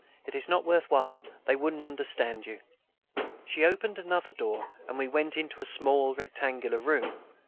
"It is not worth while; they wouldn't understand you." She opened another door, and we went into a small rectangular room.